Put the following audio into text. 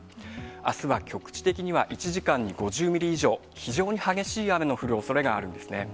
あすは局地的には１時間に５０ミリ以上、非常に激しい雨の降るおそれがあるんですね。